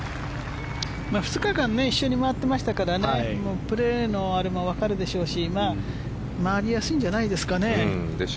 ２日間一緒に回っていましたからプレーのあれもわかるでしょうし回りやすいんじゃないですかね。